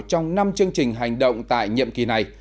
trong năm chương trình hành động tại nhiệm kỳ này